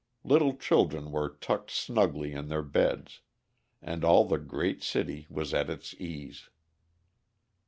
Little children were tucked snugly in their beds, and all the great city was at its ease.